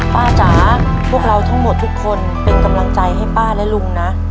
จ๋าพวกเราทั้งหมดทุกคนเป็นกำลังใจให้ป้าและลุงนะ